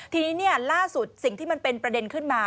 ทีนี้ล่าสุดสิ่งที่มันเป็นประเด็นขึ้นมา